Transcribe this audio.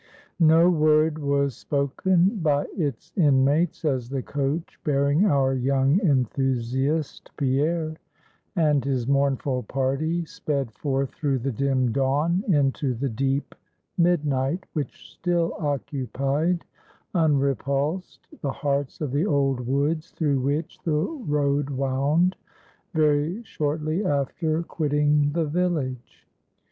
No word was spoken by its inmates, as the coach bearing our young Enthusiast, Pierre, and his mournful party, sped forth through the dim dawn into the deep midnight, which still occupied, unrepulsed, the hearts of the old woods through which the road wound, very shortly after quitting the village.